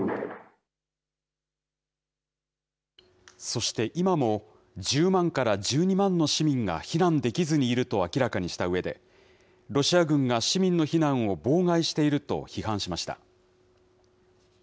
そして今も、１０万から１２万の市民が避難できずにいると明らかにしたうえで、ロシア軍が市民の避難を妨害していると批判しました。